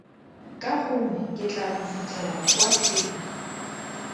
Ka gongwe ke tlaa mo fitlhela kwa teng.